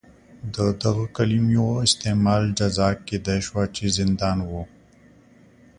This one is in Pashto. د دغو کلیمو استعمال جزا کېدای شوه چې زندان و.